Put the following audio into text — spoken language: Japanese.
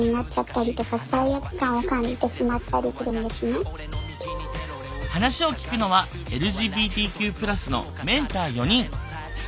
今回のテーマは話を聞くのはＬＧＢＴＱ＋のメンター４人。